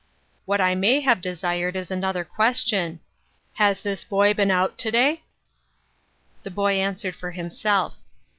" What I may have desired is another question. Has this boy been out to day ?" The boy answered for himself.